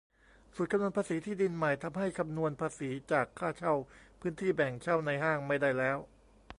สูตรคำนวณภาษีที่ดินใหม่ ทำให้คำนวณภาษีจากค่าเช่าพื้นที่แบ่งเช่าในห้างไม่ได้แล้ว